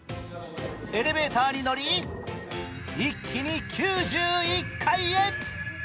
エレベーターに乗り一気に９１階へ。